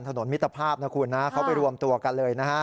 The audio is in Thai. ถนนมิตรภาพนะคุณเขาไปรวมตัวกันเลย